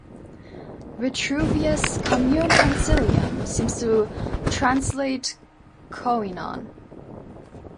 Vitruvius' "commune consilium" seems to translate "koinon.